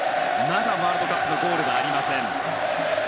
まだワールドカップのゴールがありません。